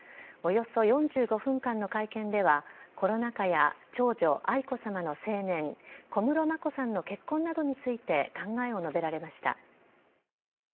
およそ４５分間の会見では、コロナ禍や長女、愛子さまの成年、小室眞子さんの結婚などについて考えを述べられました。